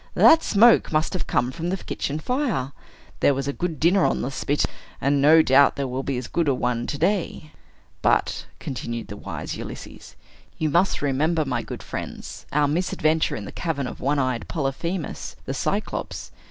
"That smoke must have come from the kitchen fire. There was a good dinner on the spit; and no doubt there will be as good a one to day." "But," continued the wise Ulysses, "you must remember, my good friends, our misadventure in the cavern of one eyed Polyphemus, the Cyclops!